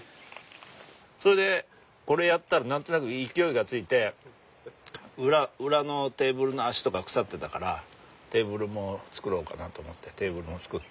それでこれやったら何となく勢いがついて裏のテーブルの脚とか腐ってたからテーブルも作ろうかなと思ってテーブルも作って。